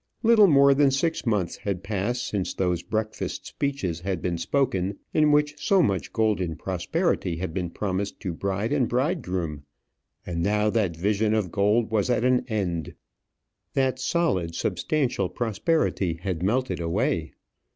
Little more than six months had passed since those breakfast speeches had been spoken, in which so much golden prosperity had been promised to bride and bridegroom; and now that vision of gold was at an end; that solid, substantial prosperity had melted away.